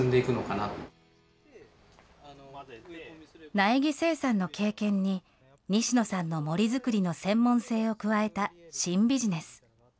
苗木生産の経験に、西野さんの森作りの専門性を加えた新ビジネス。